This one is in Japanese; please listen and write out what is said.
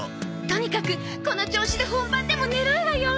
とにかくこの調子で本番でも狙うわよ！